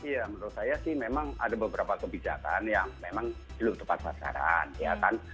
ya menurut saya sih memang ada beberapa kebijakan yang memang belum tepat sasaran ya kan